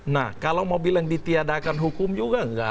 nah kalau mau bilang ditiadakan hukum juga enggak